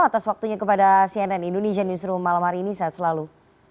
atas waktunya kepada cnn indonesia newsroom malam hari ini sehat selalu